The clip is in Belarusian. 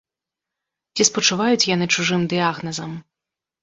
Ці спачуваюць яны чужым дыягназам?